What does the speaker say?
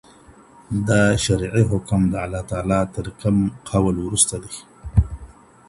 دا شرعي حکم د الله تعالی تر کوم قول وروسته دی؟